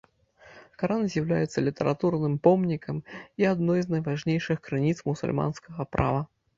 Каран з'яўляецца літаратурным помнікам і адной з найважнейшых крыніц мусульманскага права.